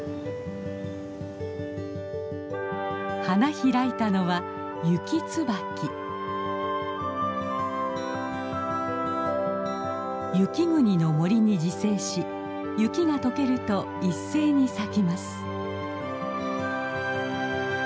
花開いたのは雪国の森に自生し雪が解けると一斉に咲きます。